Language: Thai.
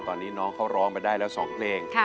ตอนนี้น้องเขาร้องไปได้แล้ว๒เพลง